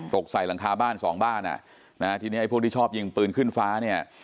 ตกใส่หลังคาบ้าน๒บ้านทีนี้พวกที่ชอบยิงปืนขึ้นฟ้า